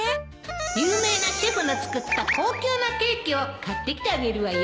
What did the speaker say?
有名なシェフの作った高級なケーキを買ってきてあげるわよ